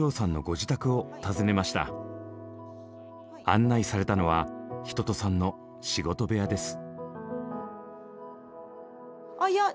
案内されたのは一青さんの仕事部屋です。